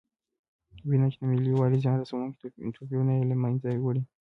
وینم چې د ملي یووالي زیان رسونکي توپیرونه یې له منځه وړي.